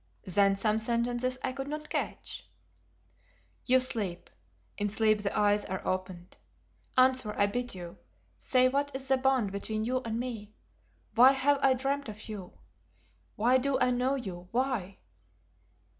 Then some sentences I could not catch. "You sleep; in sleep the eyes are opened. Answer, I bid you; say what is the bond between you and me? Why have I dreamt of you? Why do I know you? Why